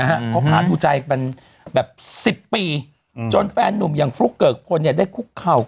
นะฮะเขาผ่านดูใจเป็นแบบ๑๐ปีจนแฟนหนุ่มอย่างฟลุกเกิกคนเนี่ยได้คุกเข่า